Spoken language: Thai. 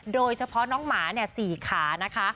โดยเฉพาะน้องหมา๔ขานะคะ